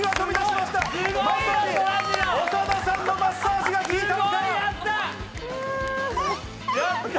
まさに長田さんのマッサージが効いたのか。